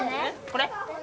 これ？